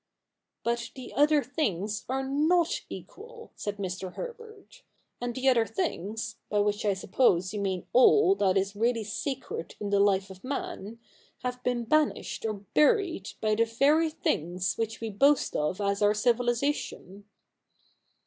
' But the other things are ?/<?/ equal,' said Mr. Herbert ; 'and the other things, by which I suppose you mean all that is really sacred in the life of man, have been banished or buried by the very things which we boast of as our civilisation.'